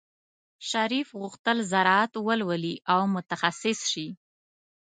شریف غوښتل زراعت ولولي او متخصص شي.